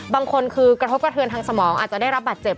บางคนคือกระทบกระเทือนทางสมองอาจจะได้รับบาดเจ็บ